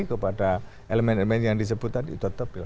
kepada elemen elemen yang disebut tadi tetap ya